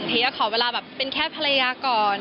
ขอเวลาแบบเป็นแค่ภรรยาก่อน